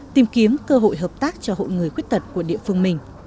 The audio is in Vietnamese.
tìm kiếm cơ hội hợp tác cho hội người khuyết tật của địa phương mình